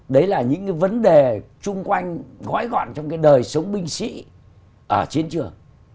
đấy là những cái vấn đề chung quanh gói gọn trong cái đời sống binh sĩ ở chiến trường